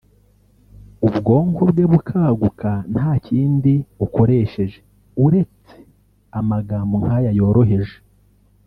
ubwonko bwe bukaguka nta kindi ukoresheje uretse amagambo nk’aya yoroheje